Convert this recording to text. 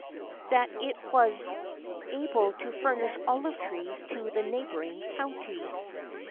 that it was able to furnish olive trees to the neighbouring countries.